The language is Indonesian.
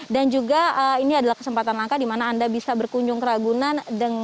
dan juga ini adalah kesempatan langka di mana anda bisa berkunjung ke ragunan